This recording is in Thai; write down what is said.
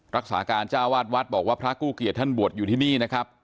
รักษาการเจ้าวาดวัดบอกว่าพระกู้เกียจท่านบวชอยู่ที่นี่นะครับ